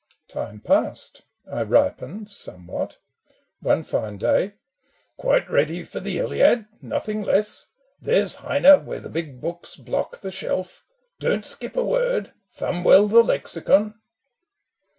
Time passed, I ripened somewhat : one fine day, "Quite ready for the Iliad, nothing less? There's Heine, where the big books block the shelf: Don't skip a word, thumb well the Lexicon